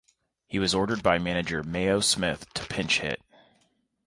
He was ordered by manager Mayo Smith to pinch hit.